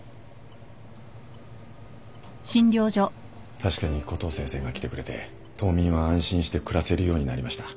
確かにコトー先生が来てくれて島民は安心して暮らせるようになりました。